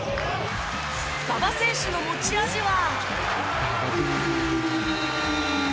馬場選手の持ち味は。